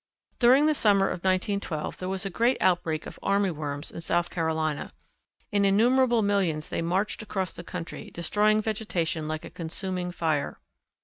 During the summer of 1912 there was a great outbreak of army worms in South Carolina. In innumerable millions they marched across the country, destroying vegetation like a consuming fire.